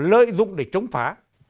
lợi dụng để chống phá